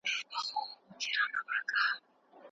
انلاين زده کړه زده کوونکو ته له کوره د درس فرصت برابروي.